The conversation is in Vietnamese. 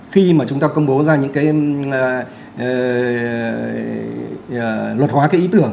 khi mà chúng ta công bố ra những cái luật hóa cái ý tưởng